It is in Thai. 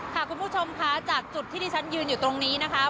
คุณผู้ชมค่ะจากจุดที่ที่ฉันยืนอยู่ตรงนี้นะคะ